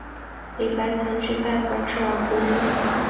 李白曾去拜访之而不遇。